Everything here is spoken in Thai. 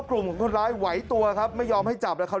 ตอนนี้ก็ยิ่งแล้ว